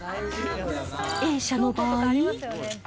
Ａ社の場合。